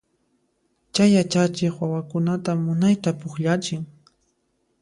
Chay yachachiq wawakunata munayta pukllachin.